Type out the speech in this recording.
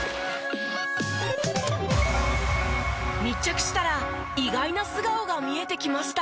密着したら意外な素顔が見えてきました。